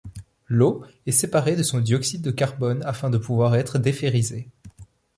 L'eau est séparée de son dioxyde de carbone afin de pouvoir être déferrisée.